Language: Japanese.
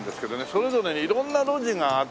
それぞれに色んな路地があってね